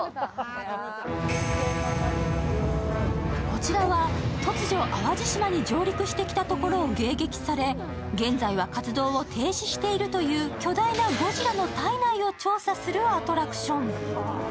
こちらは突如、淡路島に上陸してきたところを迎撃され現在は活動を停止しているという巨大なゴジラの体内を調査するアトラクション。